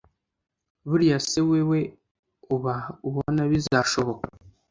buriya se wewe uba ubona bizashoboka